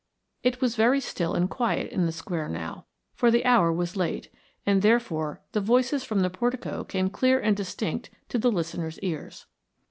It was very still and quiet in the Square now, for the hour was late, and therefore the voices from the portico came clear and distinct to the listeners' ears.